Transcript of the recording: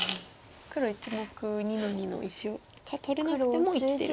黒１目２の二の石を取れなくても生きてる。